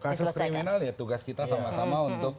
kasus kriminal ya tugas kita sama sama untuk